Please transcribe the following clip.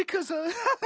ハハハ！